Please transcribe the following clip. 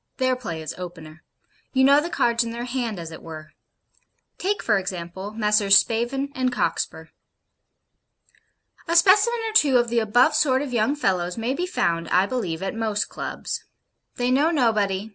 Their play is opener. You know the cards in their hand, as it were. Take, for example, Messrs. Spavin and Cockspur. A specimen or two of the above sort of young fellows may be found, I believe, at most Clubs. They know nobody.